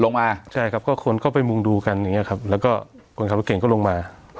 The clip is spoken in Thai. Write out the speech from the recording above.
มาใช่ครับก็คนก็ไปมุงดูกันอย่างเงี้ครับแล้วก็คนขับรถเก่งก็ลงมา